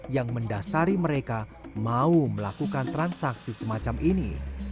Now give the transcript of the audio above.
yang mendasari mereka mau melakukan transaksi semacam ini